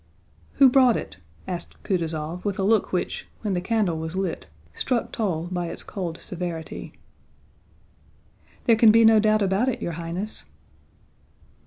"Who brought it?" asked Kutúzov with a look which, when the candle was lit, struck Toll by its cold severity. "There can be no doubt about it, your Highness."